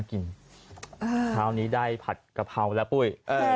คราวนี้ได้ผัดกะเพราแล้วปุ้ย